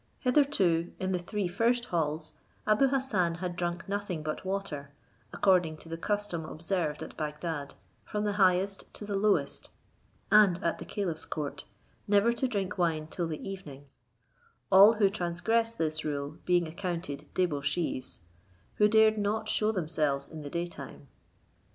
Hitherto, in the three first halls, Abou Hassan had drunk nothing but water, according to the custom observed at Bagdad, from the highest to the lowest and at the caliph's court, never to drink wine till the evening; all who transgress this rule being accounted debauchees, who dare not shew themselves in the day time.